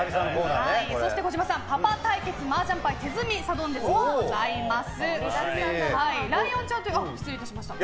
そして児嶋さん、パパ対決麻雀牌手積みサドンデスもございます。